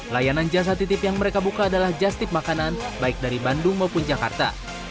layanan jasa titip yang mereka buka adalah justip makanan baik dari bandung maupun jakarta